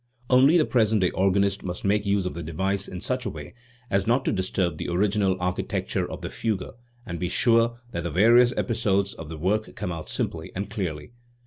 Only the present day organist must make use of the device in such a way as not Changes of Manual. 305 to disturb the original architecture of the fugue, and be sure that the various episodes of the work come out simply and clearly.